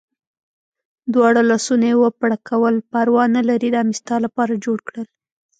دواړه لاسونه یې و پړکول، پروا نه لرې دا مې ستا لپاره جوړ کړل.